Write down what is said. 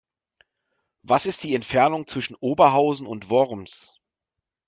Was ist die Entfernung zwischen Oberhausen und Worms?